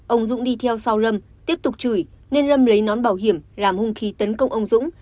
ông dũng đi theo sau lâm tiếp tục chửi nên lâm lấy nón bảo hiểm làm hung khí tấn công ông dũng